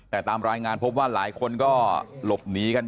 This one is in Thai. แต่ตามรายงานพบว่าหลายคนก็หลบหนีกัน